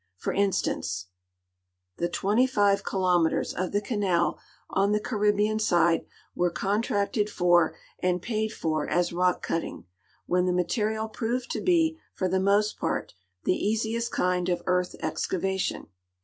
For instance, the 25 kilometers of the canal on the Caril)hean side were contracted for and paid for as rock cutting, when the material ]>roved to be, for the most part, the easiest kind of earth excavation.